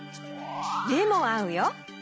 めもあうよ。